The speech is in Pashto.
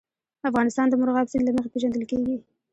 افغانستان د مورغاب سیند له مخې پېژندل کېږي.